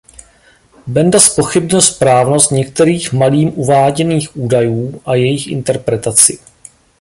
Benda zpochybnil správnost některých Malým uváděných údajů a jejich interpretaci.